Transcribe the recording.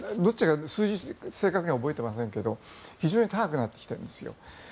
数字を正確には覚えていないですが非常に高くなってきているんですよ。